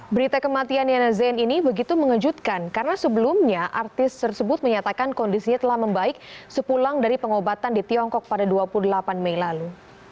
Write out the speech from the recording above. berita kematian yana zain ini begitu mengejutkan karena sebelumnya artis tersebut menyatakan kondisinya telah membaik sepulang dari pengobatan di tiongkok pada dua puluh delapan mei lalu